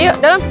yuk ke dalam